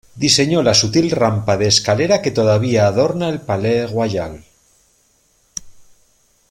Diseñó la sutil rampa de escalera que todavía adorna el Palais Royal.